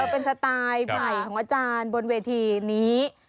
เป็นสไตล์ใหม่ของอาจารย์บนเวทีนี้